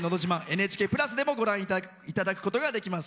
「ＮＨＫプラス」でもご覧いただくことができます。